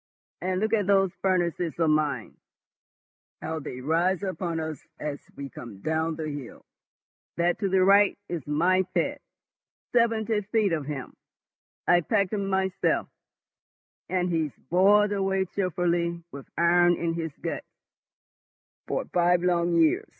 And look at those furnaces of mine, how they rise upon us as we come down the hill. That to the right is my pet—seventy feet of him. I packed him myself, and he's boiled away cheerfully with iron in his guts for five long years.